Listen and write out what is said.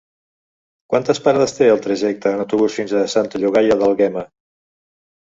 Quantes parades té el trajecte en autobús fins a Santa Llogaia d'Àlguema?